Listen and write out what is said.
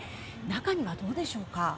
中にはどうでしょうか。